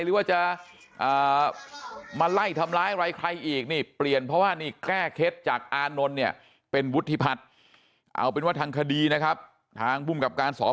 หรือว่าจะมาไล่ทำร้ายอะไรใครอีกนี่เปลี่ยนเพราะว่านี่แก้เคล็ดจากอานนท์เนี่ยเป็นวุฒิพาศ